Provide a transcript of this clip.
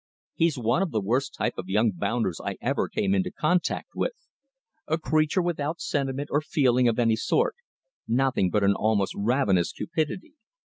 He's one of the worst type of young bounders I ever came into contact with. A creature without sentiment or feeling of any sort nothing but an almost ravenous cupidity.